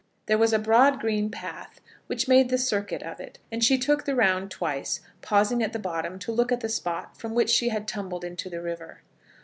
There was a broad green path which made the circuit of it, and she took the round twice, pausing at the bottom to look at the spot from which she had tumbled into the river.